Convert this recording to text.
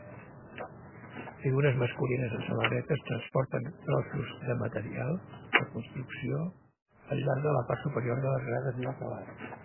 Figures masculines en samarretes transporten trossos de material de construcció al llarg de la part superior de les grades inacabades.